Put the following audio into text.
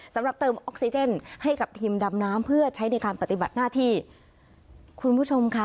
สำหรับเติมออกซิเจนให้กับทีมดำน้ำเพื่อใช้ในการปฏิบัติหน้าที่คุณผู้ชมค่ะ